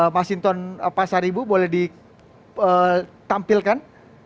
mas hinton pasaribu boleh ditampilkan